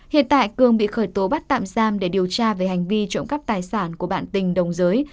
hiện tại cường bị khởi tố bắt tạm giam để điều tra về hành vi trộm cắp tài sản của bạn tình đồng giới